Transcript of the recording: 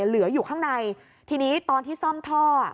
เหลืออยู่ข้างในทีนี้ตอนที่ซ่อมท่อ